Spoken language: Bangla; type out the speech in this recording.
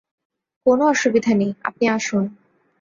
কোনো অসুবিধা নেই, আপনি আসুন।